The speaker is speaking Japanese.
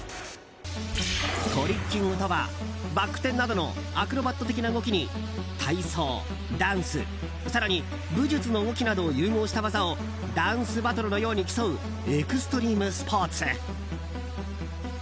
トリッキングとはバック転などのアクロバット的な動きに体操、ダンス更に武術の動きなどを融合した技をダンスバトルのように競うエクストリームスポーツ。